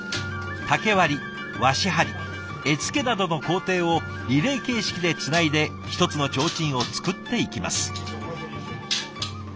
竹割り和紙貼り絵付けなどの工程をリレー形式でつないで一つの提灯を作っていきます。